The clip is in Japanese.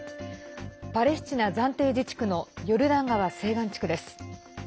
パレスチナ暫定自治区のヨルダン川西岸地区です。